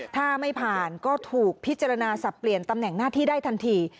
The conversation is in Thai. ถ้าไม่ผ่านก็ถูกพิจารณาสับเปลี่ยนตำแหน่งหน้าที่ได้ทันที